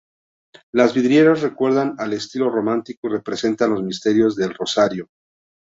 Las vidrieras recuerdan al estilo románico y representan los misterios del Rosario.